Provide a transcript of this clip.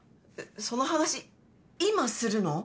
その話、今するの？